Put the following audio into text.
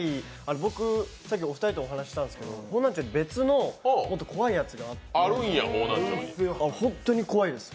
僕、お二人と話したんですけど、方南町の別の怖いやつがあって、本当に怖いです。